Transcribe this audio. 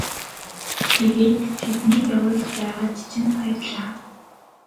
Тэгээд тэднийг явуулж байгаад чинь баярлалаа.